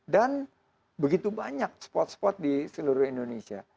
dan begitu banyak spot spot di seluruh indonesia